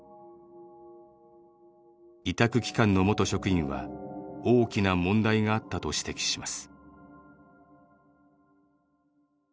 委託機関の元職員は大きな問題があったと指摘します。